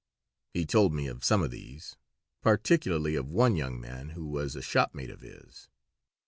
He told me of some of these, particularly of one young man who was a shopmate of his.